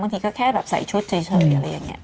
ทีก็แค่แบบใส่ชุดเฉยอะไรอย่างนี้